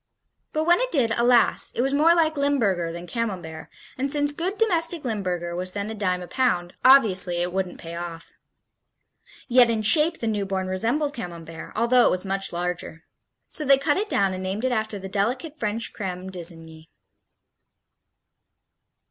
But when it did, alas, it was more like Limburger than Camembert, and since good domestic Limburger was then a dime a pound, obviously it wouldn't pay off. Yet in shape the newborn resembled Camembert, although it was much larger. So they cut it down and named it after the delicate French Creme d'lsigny.